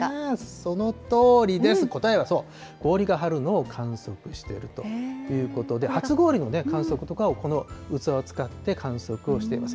そのとおりです、答えはそう、氷が張るのを観測しているということで、初氷の観測とかをこの器を使って観測をしています。